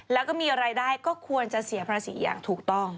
แล้วก็มีรายได้ก็ควรจะเสียภาษีอย่างถูกต้อง